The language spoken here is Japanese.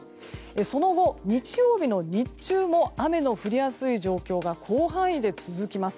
その後、日曜日の日中も雨の降りやすい状況が広範囲で続きます。